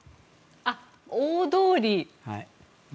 あ、大通り！